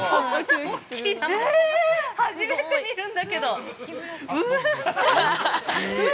初めて見るんだけど、うっそ。